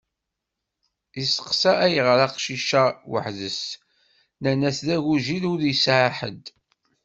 Iseqsa ayɣer aqcic-a weḥd-s, nnan-as d agujil ur yesɛi ḥedd.